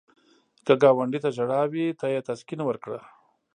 که ګاونډي ته ژړا وي، ته یې تسکین ورکړه